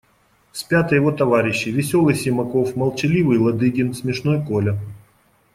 Спят и его товарищи: веселый Симаков, молчаливый Ладыгин, смешной Коля.